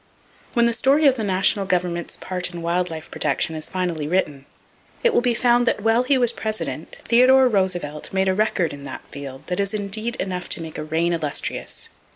When the story of the national government's part in wild life protection is finally written, it will be found that while he was president, Theodore Roosevelt made a record in that field that is indeed enough to make a reign illustrious.